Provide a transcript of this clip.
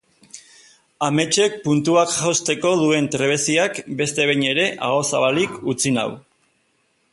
Ametsek puntuak josteko duen trebeziak beste behin ere aho zabalik utzi nau.